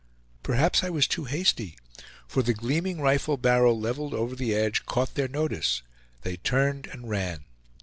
Perhaps I was too hasty, for the gleaming rifle barrel leveled over the edge caught their notice; they turned and ran.